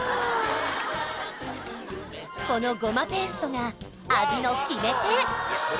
このゴマペーストが味の決め手